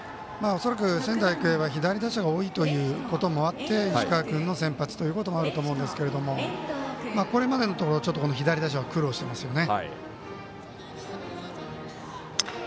おそらく仙台育英は左打者が多いということもあって石川君の先発ということもあると思うんですけどこれまでのところ、左打者は苦労してますよね。